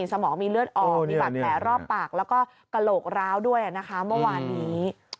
สมองมีเลือดออกมีบาดแผลรอบปากแล้วก็กระโหลกร้าวด้วยนะคะเมื่อวานนี้